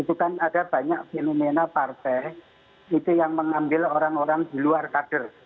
itu kan ada banyak fenomena partai itu yang mengambil orang orang di luar kader